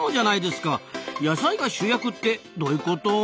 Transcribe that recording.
野菜が主役ってどういうこと？